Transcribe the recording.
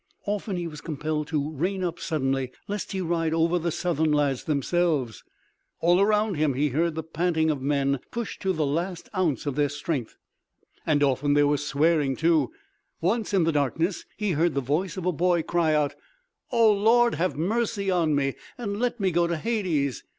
Often he was compelled to rein up suddenly lest he ride over the Southern lads themselves. All around him he heard the panting of men pushed to the last ounce of their strength, and often there was swearing, too. Once in the darkness he heard the voice of a boy cry out: "Oh, Lord, have mercy on me and let me go to Hades!